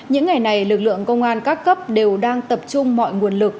những ngày này lực lượng công an các cấp đều đang tập trung mọi nguồn lực